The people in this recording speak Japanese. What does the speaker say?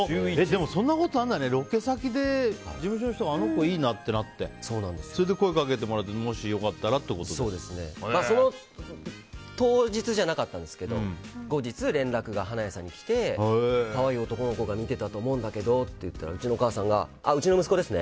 でもそんなことあるんだねロケ先で事務所の人があの子いいなってなってそれで声掛けてもらってその当日じゃなかったんですけど後日、連絡が花屋さんに来て可愛い男の子が見てたと思うんだけどって言ったらうちの母さんがうちの息子ですね